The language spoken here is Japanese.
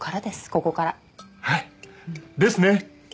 ここからはいですね